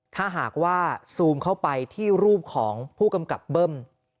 ถ้าหากว่าซูมเข้าไปที่รูปของผู้กำกับเบิ้ม